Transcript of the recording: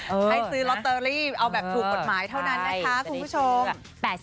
ให้ซื้อลอตเตอรี่เอาแบบถูกกฎหมายเท่านั้นนะคะคุณผู้ชม